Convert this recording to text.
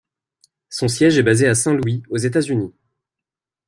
Son siège est basé à Saint-Louis, aux États-Unis.